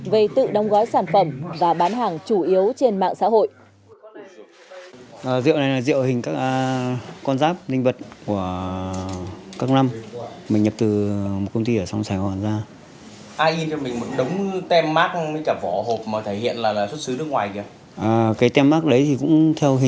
về tự đóng gói sản phẩm và bán hàng chủ yếu trên mạng xã hội